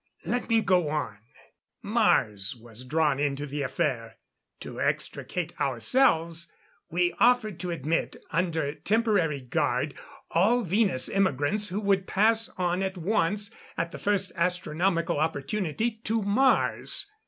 Let me go on. Mars was drawn into the affair. To extricate ourselves, we offered to admit under temporary guard all Venus immigrants who would pass on at once at the first astronomical opportunity to Mars.